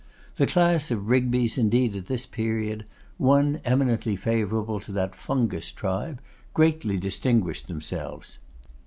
The class of Rigbys indeed at this period, one eminently favourable to that fungous tribe, greatly distinguished themselves.